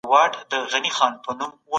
د زلزلې پر مهال ځان خوندي ځای ته ورسوئ.